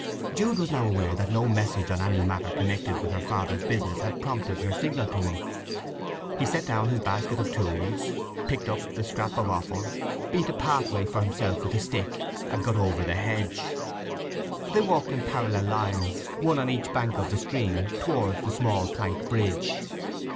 Jude was now aware that no message on any matter connected with her father's business had prompted her signal to him. He set down his basket of tools, picked up the scrap of offal, beat a pathway for himself with his stick, and got over the hedge. They walked in parallel lines, one on each bank of the stream, towards the small plank bridge.